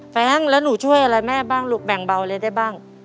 แรงแล้วหนูช่วยอะไรแม่บ้างลูกแบ่งเบาอะไรได้บ้าง